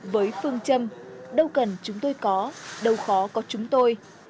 với phương châm đâu cần chúng tôi có đâu khó có chúng tôi